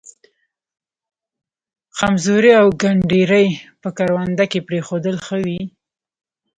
خمزوري او گنډري په کرونده کې پرېښودل ښه وي.